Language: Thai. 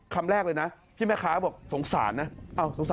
คำแรกเลยนะที่แม่ค้าบอกสงสารนะ